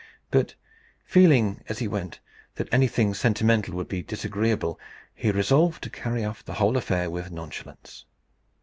But feeling, as he went, that anything sentimental would be disagreeable, he resolved to carry off the whole affair with nonchalance.